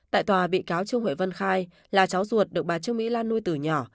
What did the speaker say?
tại tòa bị cáo trương huệ vân khai là cháu ruột được bà trương mỹ lan nuôi từ nhỏ